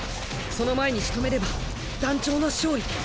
その前にしとめれば団長の勝利。